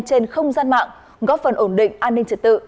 trên không gian mạng góp phần ổn định an ninh trật tự